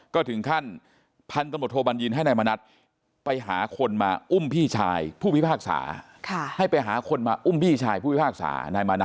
ก็ถึงขั้นพันธมธโภบัญญินให้นายมณัฐไปหาคนมาอุ้มพี่ชายผู้พิพากษา